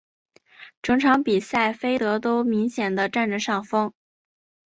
整场比赛菲德都明显的占着上风。